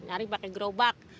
nyari pakai gerobak